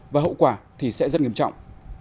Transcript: và hậu quả thì sẽ rất nghiêm trọng